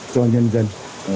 cho nhân dân